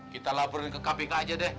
kita laporin ke kpk aja deh